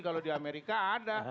kalau di amerika ada